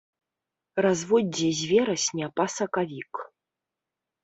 Разводдзе з верасня па сакавік.